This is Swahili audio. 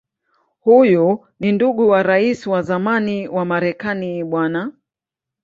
Huyu ni ndugu wa Rais wa zamani wa Marekani Bw.